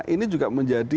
ini juga menjadi